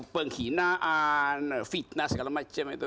penghinaan fitnah segala macam itu